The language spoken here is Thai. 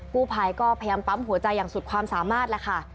กู้ภัยก็พยายามปั๊มหัวใจอย่างสุดความสามารถแหละค่ะ